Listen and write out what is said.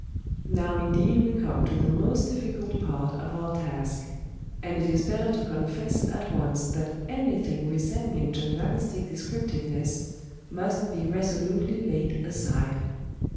"Now indeed we come to the most difficult part of our task, and it is better to confess at once that anything resembling journalistic descriptiveness must be resolutely laid aside.